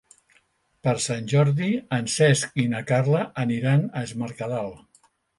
Per Sant Jordi en Cesc i na Carla aniran a Es Mercadal.